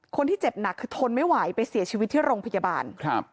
เจ็บหนักคือทนไม่ไหวไปเสียชีวิตที่โรงพยาบาลครับ